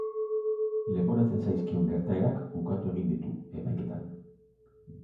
Leporatzen zaizkion gertaerak ukatu egin ditu, epaiketan.